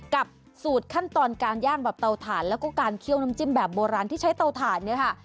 กับสูตรขั้นตอนการย่างแบบเตาถ่านแล้วก็การเคี่ยวน้ำจิ้มแบบโบราณที่ใช้เตาถ่านเนี่ยค่ะ